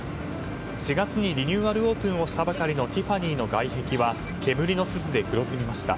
４月にリニューアルオープンをしたばかりのティファニーの外壁は煙のすすで黒ずみました。